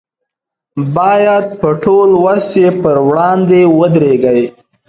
باید په ټول وس یې پر وړاندې ودرېږي.